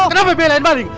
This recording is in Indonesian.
kenapa belain maling